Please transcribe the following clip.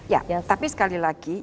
ya tapi sekali lagi